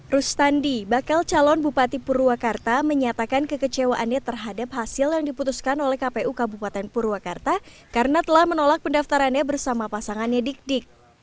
rustandi bakal calon bupati purwakarta menyatakan kekecewaannya terhadap hasil yang diputuskan oleh kpu kabupaten purwakarta karena telah menolak pendaftarannya bersama pasangannya dik dik